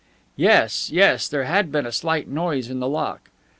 Yes, yes, there had been a slight noise in the lock.